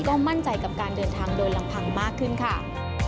ก็มั่นใจกับการเดินทางโดยลำพังมากขึ้นค่ะ